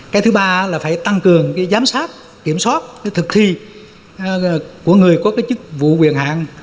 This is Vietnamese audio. cái thứ ba là phải tăng cường giám sát kiểm soát thực thi của người có cái chức vụ quyền hạn